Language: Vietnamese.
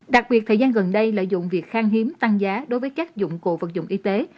đặc biệt thời gian gần đây lợi dụng việc khang hiếm tăng giá đối với các dụng cụ vật dụng y tế